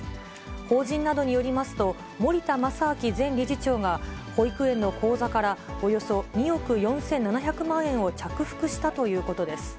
法人などによりますと、森田正明前理事長が、保育園の口座からおよそ２億４７００万円を着服したということです。